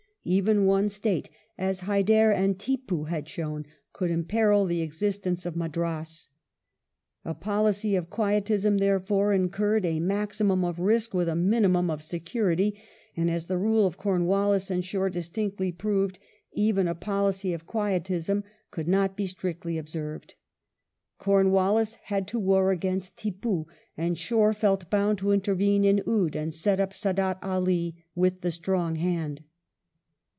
Even one state, as Hyder and Tippoo had shown, could imperil the existence of Madras. A policy of quietism, therefore, incurred a maximum of risk with a minimum of security; and, as the rule of Comwallis and Shore distinctly proved, even a policy of quietism could not be II HIS BROTHER GOVERNOR GENERAL 25 strictly observed. Comwallis had to war against Tippoo, and Shore felt bound to intervene in Oude and set up Saadat Ali with the strong hand.